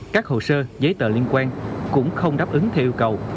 các hồ sơ giấy tờ liên quan cũng không đáp ứng theo yêu cầu